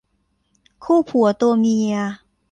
คู่ผัวตัวเมีย